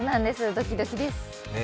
ドキドキです。